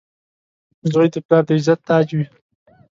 • زوی د پلار د عزت تاج وي.